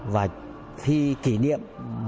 và khi kỷ niệm